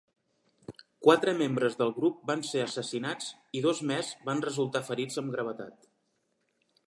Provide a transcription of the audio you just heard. Quatre membres del grup van ser assassinats, i dos més van resultar ferits amb gravetat.